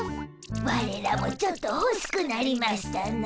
ワレらもちょっとほしくなりましたな。